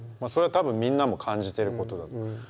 それはたぶんみんなも感じてることだと。